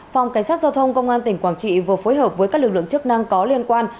phòng cảnh sát giao thông công an tỉnh quảng trị vừa phối hợp với các lực lượng chức năng có liên quan